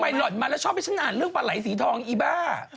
หล่อนมาแล้วชอบให้ฉันอ่านเรื่องปลาไหลสีทองอีบ้า